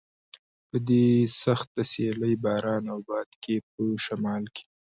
په دې سخته سیلۍ، باران او باد کې په شمال کې.